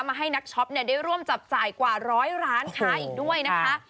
ให้นักช็อปได้ร่วมจับจ่ายกว่าร้อยร้านค้าอีกด้วยนะคะ